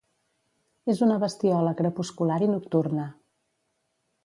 És una bestiola crepuscular i nocturna.